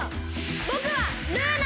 ぼくはルーナ！